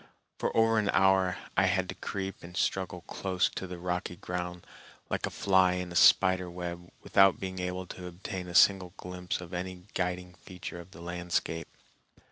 For over an hour I had to creep and struggle close to the rocky ground like a fly in a spider web without being able to obtain a single glimpse of any guiding feature of the landscape.